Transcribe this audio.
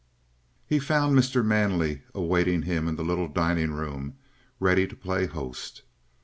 He found Mr. Manley awaiting him in the little dining room, ready to play host.